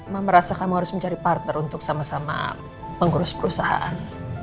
mama merasa kamu harus mencari partner untuk sama sama pengurus perusahaan